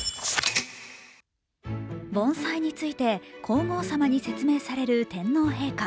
盆栽について、皇后さまに説明される天皇陛下。